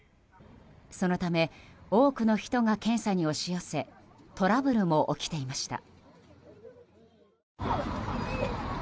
そのため多くの人が検査に押し寄せトラブルも起きていました。